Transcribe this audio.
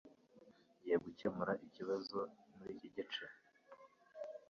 Ngiye gukemura ikibazo muri iki gice